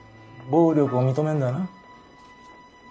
暴力を認めるんだな？